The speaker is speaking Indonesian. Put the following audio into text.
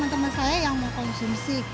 teman teman saya yang mau konsumsi